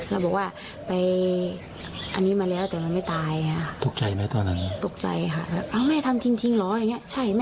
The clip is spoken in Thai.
แล้วบอกว่าไปอันนี้มาแล้วแต่มันไม่ตายค่ะตกใจไหมตอนหนึ่งตกใจค่ะก็แม่ทำจริงหรออย่างเนี่ย